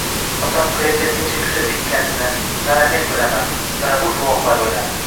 Otam qayerga nechta koʻchat ekkanini, mana men bilaman, mana bu guvohlar biladi.